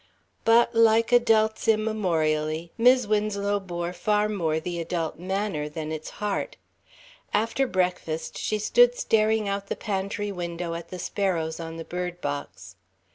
But, like adults immemorially, Mis' Winslow bore far more the adult manner than its heart. After breakfast she stood staring out the pantry window at the sparrows on the bird box.